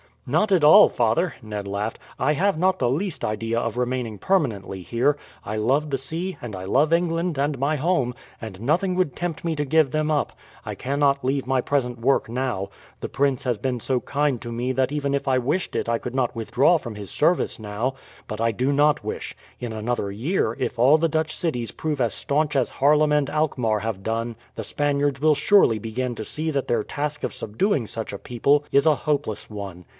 "Not at all, father," Ned laughed. "I have not the least idea of remaining permanently here. I love the sea, and I love England and my home, and nothing would tempt me to give them up. I cannot leave my present work now. The prince has been so kind to me that even if I wished it I could not withdraw from his service now. But I do not wish. In another year, if all the Dutch cities prove as staunch as Haarlem and Alkmaar have done, the Spaniards will surely begin to see that their task of subduing such a people is a hopeless one.